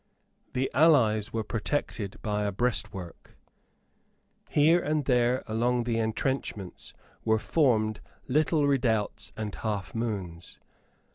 The allies were protected by a breastwork. Here and there along the entrenchments were formed little redoubts and half moons.